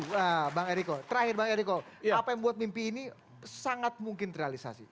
nah bang eriko terakhir bang eriko apa yang membuat mimpi ini sangat mungkin terrealisasi